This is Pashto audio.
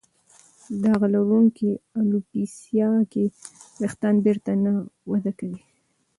داغ لرونکې الوپیسیا کې وېښتان بېرته نه وده کوي.